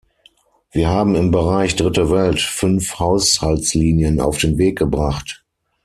Wir haben im Bereich Dritte Welt fünf Haushaltslinien auf den Weg gebracht.